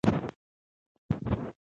زه نوره هم سره شوم او له شرمه سرسامه شوم.